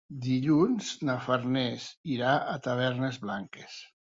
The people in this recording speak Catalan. Dilluns na Farners irà a Tavernes Blanques.